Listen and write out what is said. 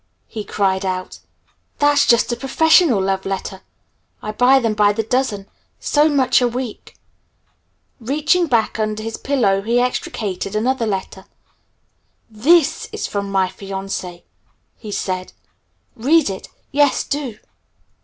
he cried out. "That's just a professional love letter. I buy them by the dozen, so much a week." Reaching back under his pillow he extricated another letter. "This is from my fiancée," he said. "Read it. Yes, do."